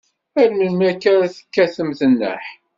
Ar melmi akka ara tekkatemt nneḥ?